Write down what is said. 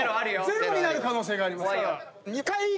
ゼロになる可能性がありますから。